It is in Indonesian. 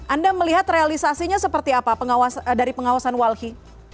anda melihat realisasinya seperti apa dari pengawasan walhi